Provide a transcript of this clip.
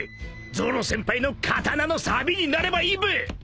［ゾロ先輩の刀のさびになればいいべ］